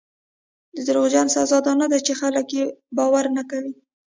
د دروغجن سزا دا نه ده چې خلک یې باور نه کوي.